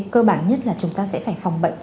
cơ bản nhất là chúng ta sẽ phải phòng bệnh